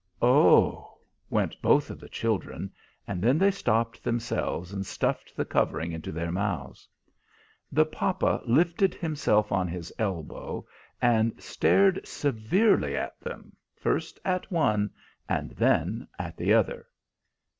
"Oh!" went both of the children; and then they stopped themselves, and stuffed the covering into their mouths. The papa lifted himself on his elbow and stared severely at them, first at one, and then at the other.